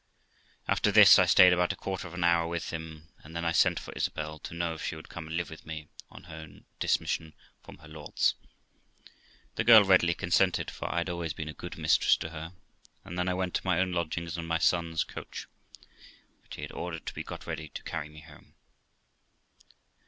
After this I stayed about a quarter of an hour with him, and then I sent for Isabel, 426 THE LIFE OF ROXANA to know if she would come and live with me on her dismission from her lord's. The girl readily consented, for I had always been a good mistress to her; and then I went to my own lodgings in my son's coach, which he had ordered to be got ready to carry me home.